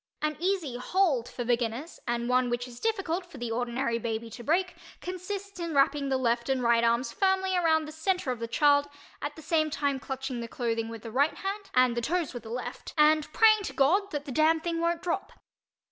An easy "hold" for beginners and one which is difficult for the ordinary baby to break consists in wrapping the left and right arms firmly around the center of the child, at the same time clutching the clothing with the right hand and the toes with the left and praying to God that the damn thing won't drop.